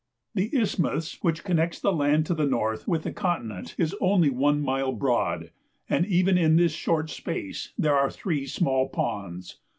The isthmus which connects the land to the north with the continent is only one mile broad, and even in this short space there are three small ponds.